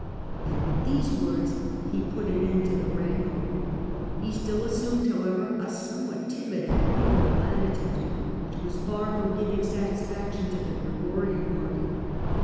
and with these words he put an end to the wrangle. He still assumed, however, a somewhat timid and equivocal attitude, which was far from giving satisfaction to the Gregorian party.